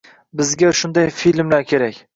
Bizga shunday filmlar kerak